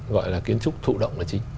gọi là kiến trúc thụ động là chính